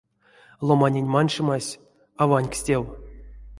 Ломанень манчемась ─ а ванькс тев.